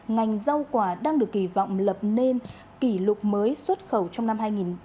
ngành rau quả đang được kỳ vọng lập nên kỷ lục mới xuất khẩu trong năm hai nghìn hai mươi